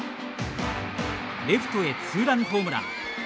レフトへ、ツーランホームラン。